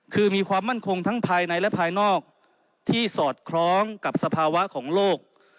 คือมีความมั่นคงทั้งภายในและภายนอกที่สอดคล้องกับสภาวะของโลก